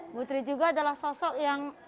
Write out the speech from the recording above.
ibu tri juga adalah sosok yang